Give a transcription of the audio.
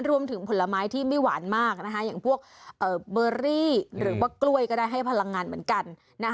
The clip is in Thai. ผลไม้ที่ไม่หวานมากอย่างพวกเบอรี่หรือว่ากล้วยก็ได้ให้พลังงานเหมือนกัน